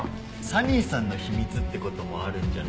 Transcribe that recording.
サニーさんの秘密って事もあるんじゃない？